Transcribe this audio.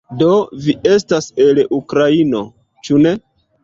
Do, vi estas el Ukraino ĉu ne?